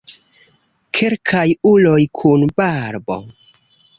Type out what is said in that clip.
Kelkaj uloj kun barbo.